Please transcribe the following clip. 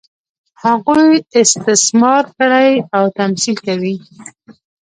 هغوی استثمار کړي او تمثیل کوي.